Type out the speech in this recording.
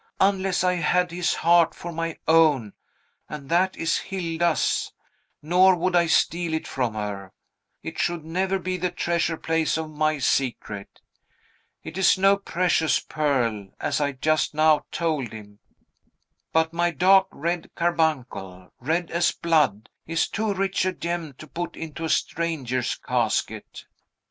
Unless I had his heart for my own, and that is Hilda's, nor would I steal it from her, it should never be the treasure Place of my secret. It is no precious pearl, as I just now told him; but my dark red carbuncle red as blood is too rich a gem to put into a stranger's casket."